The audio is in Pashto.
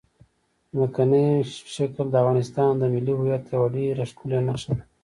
ځمکنی شکل د افغانستان د ملي هویت یوه ډېره ښکاره نښه ده.